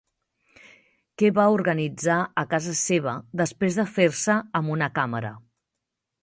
Què va organitzar a casa seva després de fer-se amb una càmera?